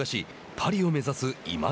パリを目指す今井。